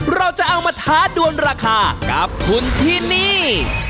เราจะเอามาท้าดวนราคากับคุณที่นี่